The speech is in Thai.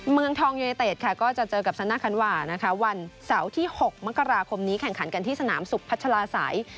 เมืองทองยูนิเตตก็จะเจอกับสนาคันวาวันเสาที่๖มกราคมนี้แข่งขันกันที่สนามศุกร์พัชราสัย